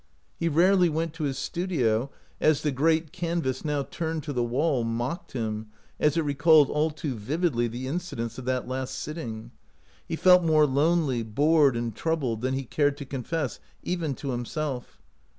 He rarely went to his stu dio, as the great canvas, now turned to the wall, mocked him, as it recalled all too viv idly the incidents of that last sitting. He felt more lonely, bored, and troubled than he cared to confess, even to himself.